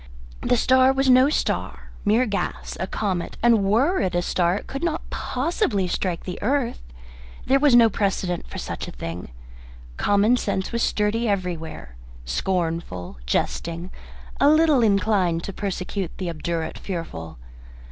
The star was no star mere gas a comet; and were it a star it could not possibly strike the earth. There was no precedent for such a thing. Common sense was sturdy everywhere, scornful, jesting, a little inclined to persecute the obdurate fearful.